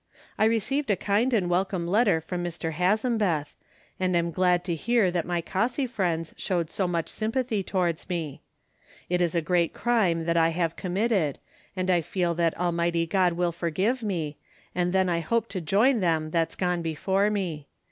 I received a kind and welcome letter from Mr. Hazembeth, and was glad to hear that my Cossey friends showed so much sympathy towards me. It is a great crime that I have committed, and I feel that Almighty God will forgive me, and then I hope to join them that's gone before me.